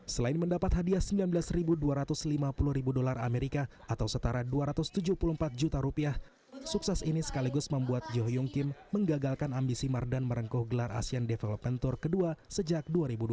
selain mendapat hadiah sembilan belas dua ratus lima puluh ribu dolar amerika atau setara dua ratus tujuh puluh empat juta rupiah sukses ini sekaligus membuat jo hyung kim menggagalkan ambisi mardan merengkuh gelar asean development tour kedua sejak dua ribu dua puluh